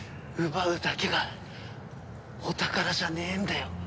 奪うだけがお宝じゃねえんだよ。